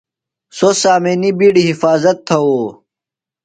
سوۡ سامینی بِیڈی حفاظت تھاُوۡ۔